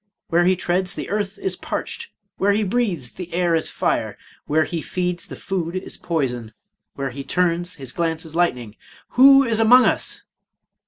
Where he treads, the earth is parched I — Where he breathes, the air is fire! — ^Where he feeds, the food is poison! — Where he turns his glance is lightning! — Who is among us?